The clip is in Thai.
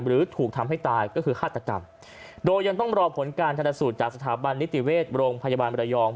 หรือถูกทำให้ตายก็คือฆาตกรรมโดยยังต้องรอผลการทันสูตรจากสถาบันนิติเวชโรงพยาบาลมรยอง